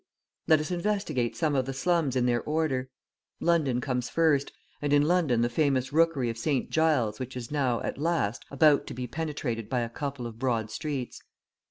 Let us investigate some of the slums in their order. London comes first, and in London the famous rookery of St. Giles which is now, at last, about to be penetrated by a couple of broad streets.